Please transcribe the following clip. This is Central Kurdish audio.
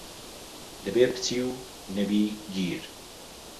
دەبێ پچی و نەبی گیر